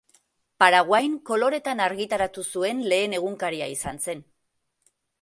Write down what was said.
Paraguain koloretan argitaratu zuen lehen egunkaria izan zen.